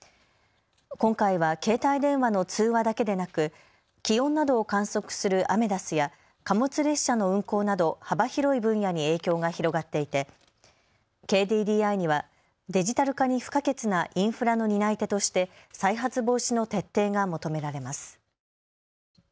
今回は携帯電話の通話だけでなく気温などを観測するアメダスや貨物列車の運行など幅広い分野に影響が広がっていてＫＤＤＩにはデジタル化に不可欠なインフラの担い手として再発防止の徹底が求められます。